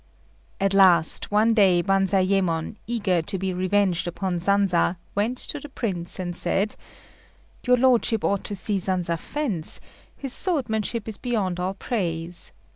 At last, one day Banzayémon, eager to be revenged upon Sanza, went to the Prince, and said, "Your lordship ought to see Sanza fence; his swordsmanship is beyond all praise.